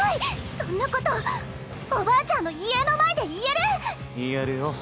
そんなことおばあちゃんの遺影の前で言える⁉言えるよ。